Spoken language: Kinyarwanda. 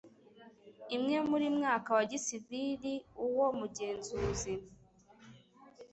imwe muri mwaka wa gisivili uwo mugenzuzi